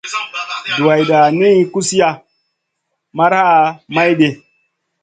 Duwayda niyn kusiya maraʼha maydi.